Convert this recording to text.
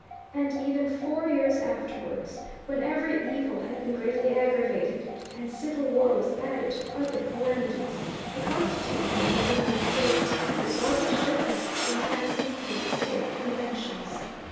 And even four years afterwards, when every evil had been greatly aggravated, and civil war was added to other calamities, the Constitution of the United States was all but shipwrecked in passing through the state conventions."